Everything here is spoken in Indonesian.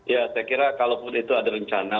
ya saya kira kalau pun itu ada rencana